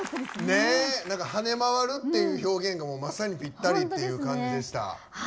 ねえ跳ね回るっていう表現がまさにぴったりっていう感じでした。